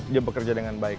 dia bekerja dengan baik